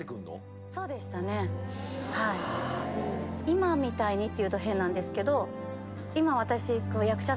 「今みたいに」って言うと変なんですけど今私。